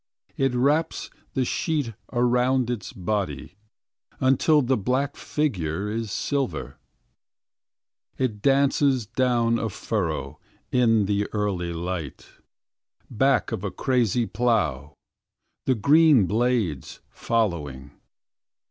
It wraps the sheet around its body, until the black fi gure is silver. It dances down a furrow, in the early light, back of a crazy plough, the green blades following.